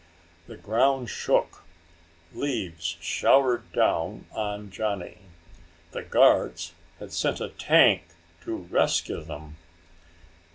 The ground shook; leaves showered down on Johnny. The guards had sent a tank to rescue them!